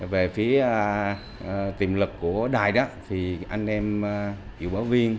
về phía tiềm lực của đài đắc thì anh em hiệu báo viên